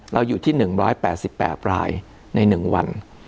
เราอยู่ที่๑๘๘รายใน๑วัน